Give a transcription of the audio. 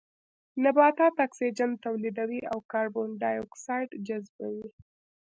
نباتات اکسيجن توليدوي او کاربن ډای اکسايد جذبوي